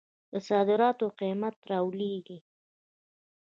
د صادراتو قیمت رالویږي.